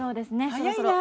早いなあ。